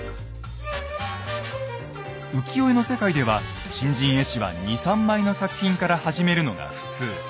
浮世絵の世界では新人絵師は２３枚の作品から始めるのが普通。